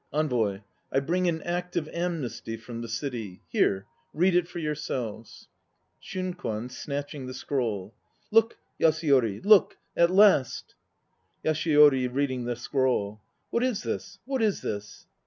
ENVOY. I bring an Act of Amnesty from the City. Here, read it for yourselves. SHUNKWAN (snatching the scroll). Look, Yasuyori! Look! At last! YASUYORI (reading the scroll). What is this? What is this?